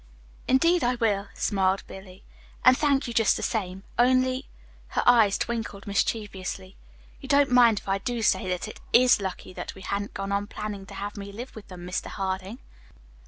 "Indeed I will," smiled Billy, "and thank you just the same; only" her eyes twinkled mischievously "you don't mind if I do say that it IS lucky that we hadn't gone on planning to have me live with them, Mr. Harding!"